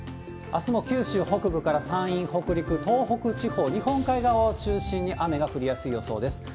あすも九州北部から山陰、北陸、東北地方、日本海側を中心に、雨が降りやすい予想です。